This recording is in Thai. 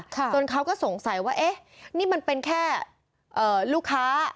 จนเขาก็สงสัยว่าเอ๊ะนี่มันเป็นแค่ลูกค้า